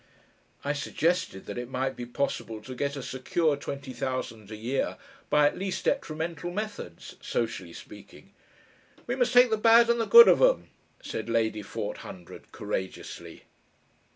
I suggested that it might be possible to get a secure twenty thousand a year by at least detrimental methods socially speaking. "We must take the bad and the good of 'um," said Lady Forthundred, courageously....